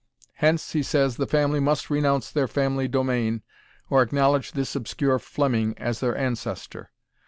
Hence, he says, the family must renounce their family domain, or acknowledge this obscure Fleming as their ancestor.